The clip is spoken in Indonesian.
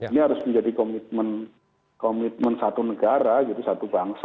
ini harus menjadi komitmen satu negara gitu satu bangsa